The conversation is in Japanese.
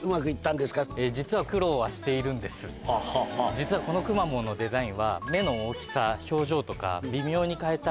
実はこのくまモンのデザインは目の大きさ表情とか微妙に変えた。